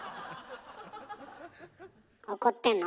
怒ってんの？